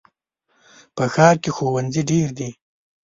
په ښار کې ښوونځي ډېر دي.